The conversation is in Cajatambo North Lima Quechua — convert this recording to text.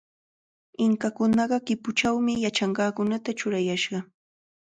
Inkakunaqa kipuchawmi yachanqakunata churayashqa.